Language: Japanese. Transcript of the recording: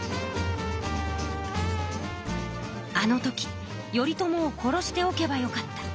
あのとき頼朝を殺しておけばよかった。